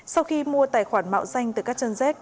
sau khi mua tài khoản mạo danh từ các chân dết